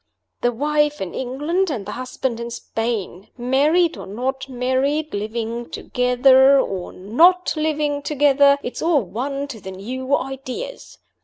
The wife in England and the husband in Spain, married or not married living together or not living together it's all one to the new ideas.